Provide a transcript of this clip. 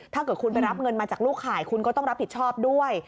ถ้าเกิดคุณไปรับเงินมาจากลูกขายคุณก็ต้องรับผิดชอบด้วย